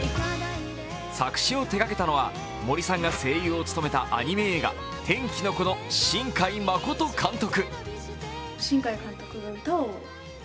作詞を手がけたのは森さんが声優を務めたアニメ映画「天気の子」の新海誠監督。